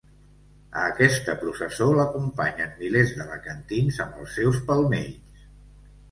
A aquesta processó l'acompanyen milers d'alacantins amb els seus palmells.